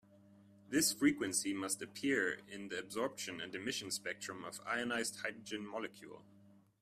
This frequency must appear in the absorption and emission spectrum of ionized hydrogen molecule.